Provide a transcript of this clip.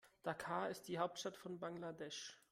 Dhaka ist die Hauptstadt von Bangladesch.